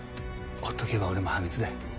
ほっとけば俺も破滅だ。